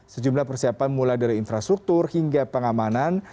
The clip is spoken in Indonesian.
sejumlah persiapan mulai dari infrastruktur hingga pengamanan